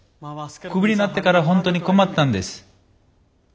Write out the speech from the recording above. クビになってから本当に困ったんです。